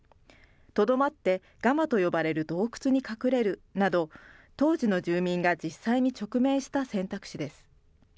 とどまってガマと呼ばれる洞窟に隠れるなど、当時の住民が実際に直面した選択肢です。